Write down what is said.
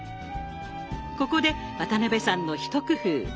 ここで渡辺さんの一工夫。